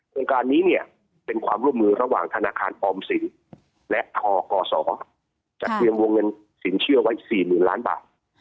โรงการนี้เป็นความร่วมมือระหว่างธนาคารออมศิลป์และอกศจากเมียงวงเงินศิลป์เชื่อไว้๔๐๐๐๐๐๐๐บาท